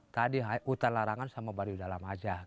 tadi hutan larangan sama baduy dalam aja